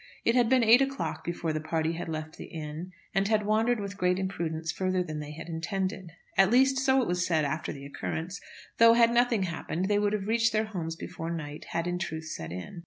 It had been eight o'clock before the party had left the inn, and had wandered with great imprudence further than they had intended. At least, so it was said after the occurrence; though, had nothing happened, they would have reached their homes before night had in truth set in.